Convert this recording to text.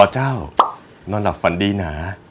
อ๋อเจ้านอนหลับฝันดีนะ